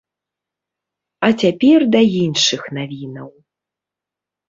А цяпер да іншых навінаў!